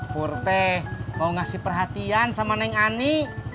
purte mau ngasih perhatian sama neng ani